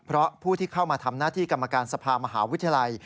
เพราะผู้ที่เข้ามาทำหน้าที่กรรมการสภามหาวิทยาลัย